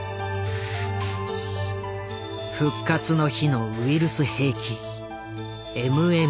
「復活の日」のウイルス兵器